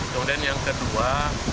kemudian yang kedua